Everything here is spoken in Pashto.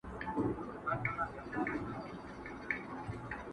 • انسانيت د پېښې تر سيوري للاندي ټپي کيږي..